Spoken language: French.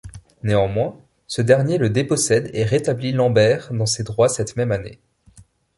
Néanmoins, ce dernier le dépossède et rétablit Lambert dans ses droits cette même année.